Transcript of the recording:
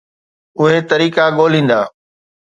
اهي طريقا ڳوليندا.